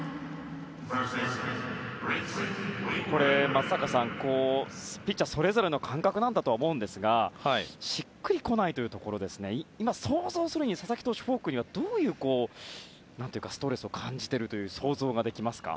松坂さん、ピッチャーそれぞれの感覚だとは思いますがしっくり来ないというところ今、佐々木投手フォークにはどのようなストレスを感じていると想像ができますか？